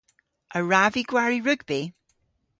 A wrav vy gwari rugbi?